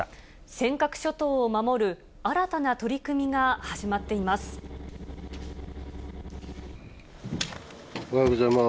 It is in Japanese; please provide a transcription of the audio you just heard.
尖閣諸島を守る新たな取り組おはようございます。